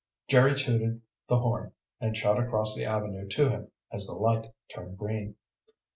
Jerry tooted the horn and shot across the avenue to him as the light turned green.